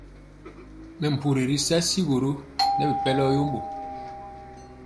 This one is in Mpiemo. Mɛmpuri ri sɛŋ sigoro nɛ bipɛlɔ yembo.